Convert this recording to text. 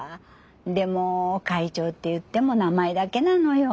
でも会長って言っても名前だけなのよ。